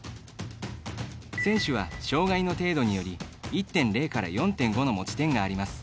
選手は、障がいの程度により１．０４．５の持ち点があります。